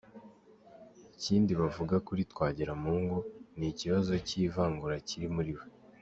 Ikindi bavuga kuri Twagiramungu ni ikibazo cy’ivangura kiri muri we.